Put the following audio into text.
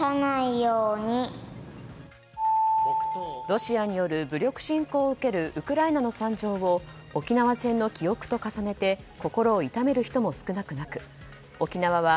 ロシアによる武力侵攻を受けるウクライナの惨状を沖縄戦の記憶と重ねて心を痛める人も少なくなく沖縄は